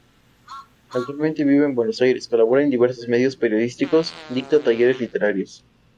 Actualmente vive en Buenos Aires, colabora en diversos medios periodísticos y dicta talleres literarios.